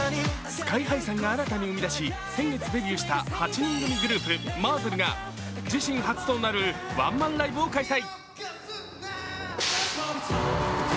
ＳＫＹ−ＨＩさんが新たに生み出し、先月デビューした８人組グループ・ＭＡＺＺＥＬが自身初となるワンマンライブを開催。